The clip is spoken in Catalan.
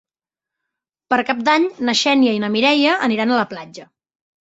Per Cap d'Any na Xènia i na Mireia aniran a la platja.